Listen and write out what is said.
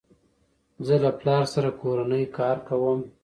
زه له پلار سره کورنی کار کوم.